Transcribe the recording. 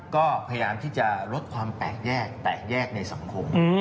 ก็พยายามที่จะลดความแตกแยกแตกแยกในสังคม